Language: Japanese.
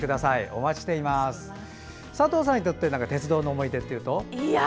佐藤さんにとって鉄道の思い出というと？